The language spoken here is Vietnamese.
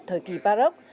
của thời kỳ baroque